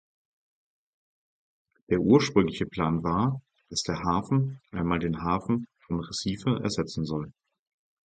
Der ursprüngliche Plan war, dass der Hafen einmal den Hafen von Recife ersetzen soll.